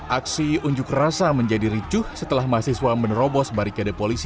aksi unjuk rasa menjadi ricuh setelah mahasiswa menerobos barikade polisi